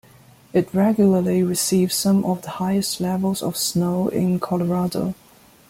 It regularly receives some of the highest levels of snow in Colorado.